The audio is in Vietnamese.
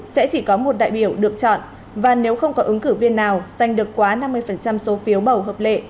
sẽ chỉ có một đại biểu được chọn và nếu không có ứng cử viên nào giành được quá năm mươi số phiếu bầu hợp lệ